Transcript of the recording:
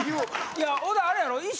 いや小田井あれやろ？